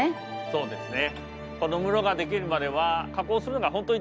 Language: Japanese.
そうですね。